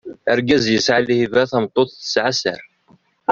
Argaz yesɛa lhiba, tameṭṭut tesɛa sser.